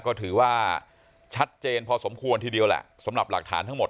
ก็ถือว่าชัดเจนพอสมควรทีเดียวแหละสำหรับหลักฐานทั้งหมด